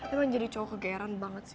emang jadi cowok kegeran banget sih